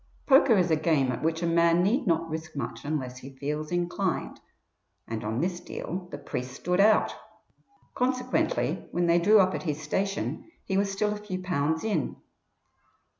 Poker is a game at which a man need not risk much unless he feels inclined, and on this deal the priest stood out. Consequently, when they drew up at his station he was still a few pounds in.